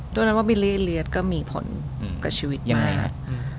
ตอนนั้นว่าบิลลี่เลียสก็มีผลกับชีวิตมาก